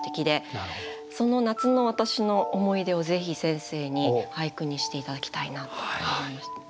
その夏の私の思い出をぜひ先生に俳句にして頂きたいなと思いました。